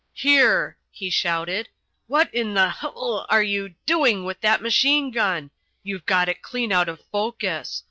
"Here!" he shouted, "what in h l are you doing with that machine gun? You've got it clean out of focus.